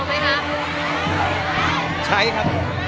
รู้จักไหมครับ